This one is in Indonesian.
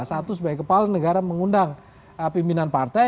satu sebagai kepala negara mengundang pimpinan partai